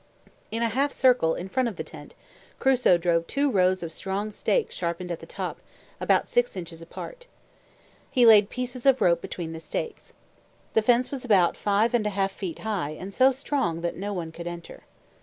In a half circle, in front of the tent, Crusoe drove two rows of strong stakes sharpened at the top, about six inches apart. He laid pieces of rope between the stakes. The fence was about five arid a half feet high and so strong that no one could enter.